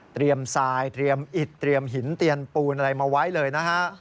ทรายเตรียมอิดเตรียมหินเตรียมปูนอะไรมาไว้เลยนะฮะ